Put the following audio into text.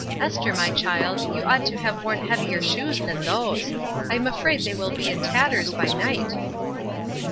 Esther, my child, you ought to have worn heavier shoes than those; I am afraid they will be in tatters by night."